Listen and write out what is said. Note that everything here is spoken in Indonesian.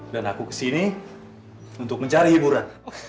dan aku kesini untuk mencari hiburan